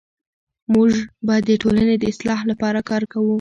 موږ به د ټولنې د اصلاح لپاره کار کوو.